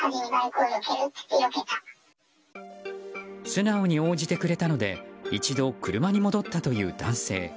素直に応じてくれたので一度車に戻ったという男性。